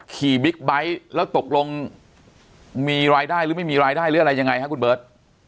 บิ๊กไบท์แล้วตกลงมีรายได้หรือไม่มีรายได้หรืออะไรยังไงฮะคุณเบิร์ต